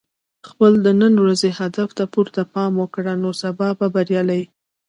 خپل د نن ورځې هدف ته پوره پام وکړه، نو سبا به بریالی یې.